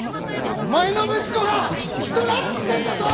お前の息子が人拉致してんだぞ！？